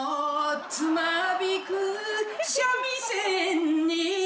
「つまびく三味線に」